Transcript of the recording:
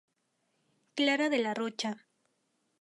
Clara de la Rocha